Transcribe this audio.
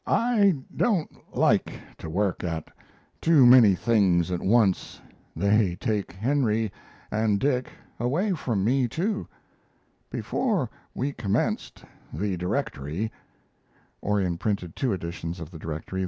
I don't like to work at too many things at once. They take Henry and Dick away from me, too. Before we commenced the Directory, [Orion printed two editions of the directory.